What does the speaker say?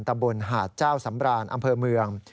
ตำบลหาดเจ้าสำรานอำเภอเมือง